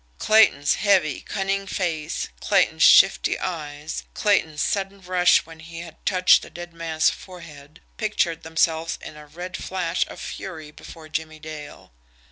Clayton's heavy, cunning face, Clayton's shifty eyes, Clayton's sudden rush when he had touched the dead man's forehead, pictured themselves in a red flash of fury before Jimmie Dale.